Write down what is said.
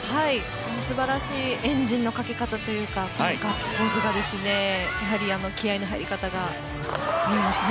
すばらしいエンジンのかけ方というかガッツポーズが気合いの入り方見えますね。